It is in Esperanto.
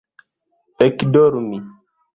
ekdormi